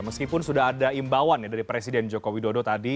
meskipun sudah ada imbawan dari presiden joko widodo tadi